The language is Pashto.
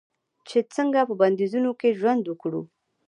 چې څنګه په بندیزونو کې ژوند وکړو.